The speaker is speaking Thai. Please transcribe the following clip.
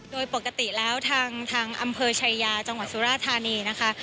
โดยปกติแล้วทางอำเภอชายาจังหวัดสุราธานีนะคะ